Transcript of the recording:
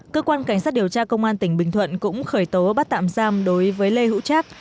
cơ quan cảnh sát điều tra công an tỉnh bình thuận cũng khởi tố bắt tạm giam đối với lê hữu trác